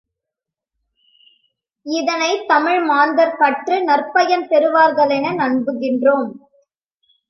இதனைத் தமிழ்மாந்தர் கற்று நற்பயன் பெறுவார்களென நம்புகின்றோம்.